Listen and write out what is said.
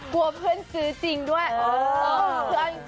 เพื่อนซื้อจริงด้วย